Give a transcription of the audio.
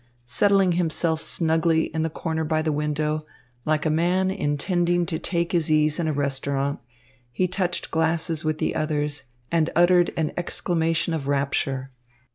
Settling himself snugly in the corner by the window, like a man intending to take his ease in a restaurant, he touched glasses with the others and uttered an exclamation of rapture.